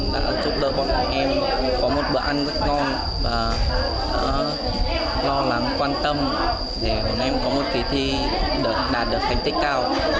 đã giúp đỡ bọn em có một bữa ăn rất ngon và lo lắng quan tâm để bọn em có một kỳ thi đạt được thành tích cao